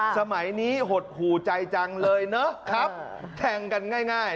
สมัยนี้หดหูใจจังเลยเนอะครับแข่งกันง่าย